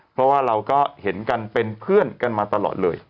เพราะว่าเราก็เห็นกันเป็นเพื่อนกันมาตลอดเลย